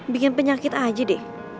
bikin penyakit aja deh